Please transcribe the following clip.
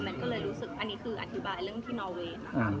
มันก็เลยรู้สึกอันนี้คืออธิบายเรื่องที่นอเวย์ค่ะ